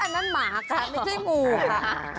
อันนั้นหมาครับไม่ใช่งูค่ะ